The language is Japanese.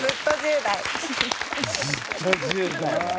「ずっと１０台」。